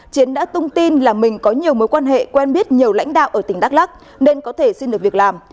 chiến đã tung tin là mình có nhiều mối quan hệ quen biết nhiều lãnh đạo ở tỉnh đắk lắc nên có thể xin được việc làm